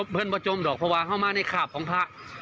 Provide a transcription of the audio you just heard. เพื่อนประจงเพราะว่าเข้ามาในขาบของพระ